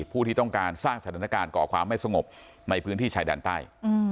ผู้ที่ต้องการสร้างสถานการณ์ก่อความไม่สงบในพื้นที่ชายแดนใต้